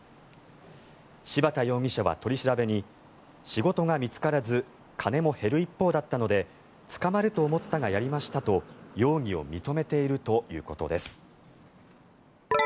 柴田容疑者は、取り調べに仕事が見つからず金も減る一方だったので捕まると思ったがやりましたと容疑を認めているということです。